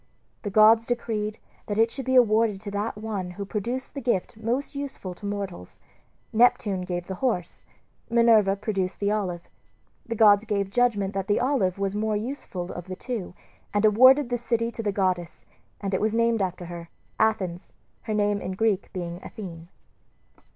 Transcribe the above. The gods decreed that it should be awarded to that one who produced the gift most useful to mortals. Neptune gave the horse; Minerva produced the olive. The gods gave judgment that the olive was the more useful of the two, and awarded the city to the goddess; and it was named after her, Athens, her name in Greek being Athene.